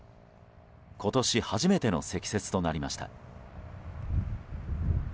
今年初めての積雪となりました。